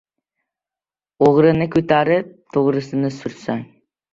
O‘g‘rini ko‘tarib, to‘g‘rini sursang